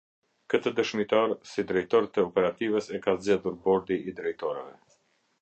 Këtë dëshmitar si drejtor të operativës e ka zgjedhur Bordi i Drejtorëve.